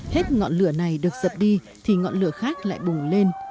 hết ngọn lửa này được dập đi thì ngọn lửa khác lại bùng lên